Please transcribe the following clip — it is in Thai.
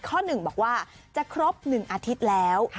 ข้อหนึ่งบอกว่าจะครบหนึ่งอาทิตย์แล้ว